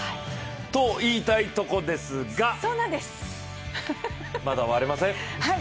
と言いたいとこですが、まだ終われません。